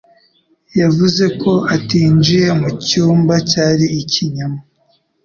Yavuze ko atinjiye mu cyumba, cyari ikinyoma.